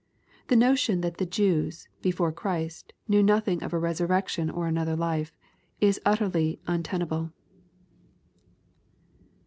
The notion, that the Jews, before Christ, knew nothing of a resurrection or another life, is utterly unten able.